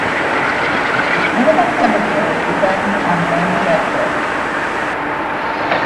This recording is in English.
Its minimum temperature depends on the manufacture.